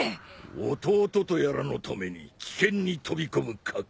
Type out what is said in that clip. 弟とやらのために危険に飛び込む覚悟。